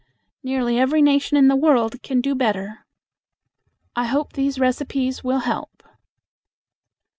Nearly every nation in the world can do better. I hope these recipes will help.